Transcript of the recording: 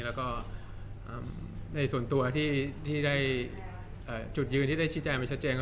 และในส่วนตัวที่ได้จุดยืนที่ชิดแจมชัดเจน